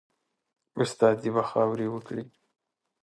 استادي به خاوري وکړې